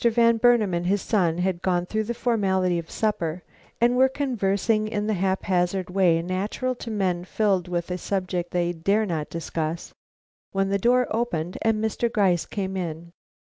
Van Burnam and his sons had gone through the formality of a supper and were conversing in the haphazard way natural to men filled with a subject they dare not discuss, when the door opened and Mr. Gryce came in.